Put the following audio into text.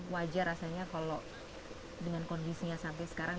wajar rasanya kalau dengan kondisinya sampai sekarang